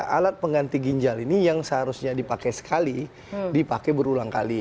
alat pengganti ginjal ini yang seharusnya dipakai sekali dipakai berulang kali